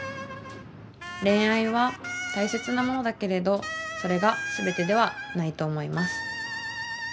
恋愛は大切なものだけれどそれが全てではないと思います。